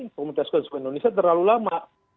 pemutuskan sekolah indonesia terlalu lama